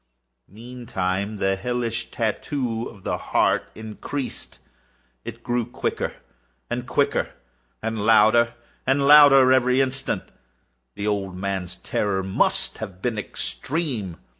Meantime the hellish tattoo of the heart increased. It grew quicker and quicker, and louder and louder every instant. The old man's terror must have been extreme!